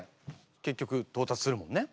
結局到達するもんね